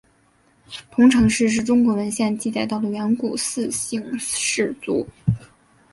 彤城氏是中国文献记载到的远古姒姓氏族。